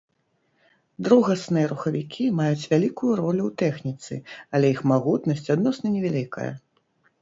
Другасныя рухавікі маюць вялікую ролю ў тэхніцы, але іх магутнасць адносна невялікая.